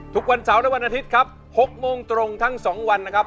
ทุกวันเสาร์และวันอาทิตย์ครับ๖โมงตรงทั้ง๒วันนะครับ